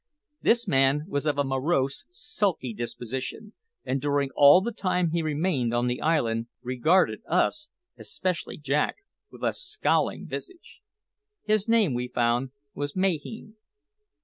This man was of a morose, sulky disposition, and during all the time he remained on the island, regarded us especially Jack with a scowling visage. His name, we found, was Mahine.